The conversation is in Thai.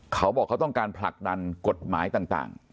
เขาบอกเขาต้องการผลักดันกฎหมายต่าง